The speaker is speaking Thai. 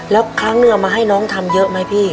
แล้วครั้งนึงเอามาให้น้องทำเยอะไหมพี่